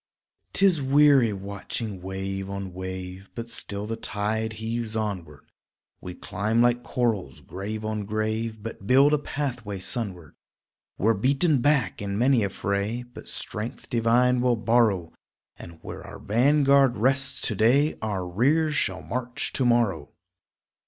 'Tis weary watching wave on wave, But still the tide heaves onward; We climb like corals, grave on grave, But build a pathway sunward; We're beaten back in many a fray, But strength divine will borrow And where our vanguard rests to day Our rear shall march to morrow.